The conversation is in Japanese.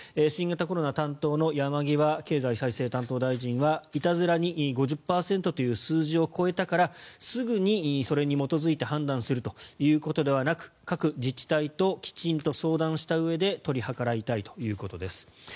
新型コロナ担当の山際経済再生担当大臣はいたずらに５０％という数字を超えたからすぐにそれに基づいて判断するということではなく各自治体ときちんと相談したうえで取り計らいたいということです。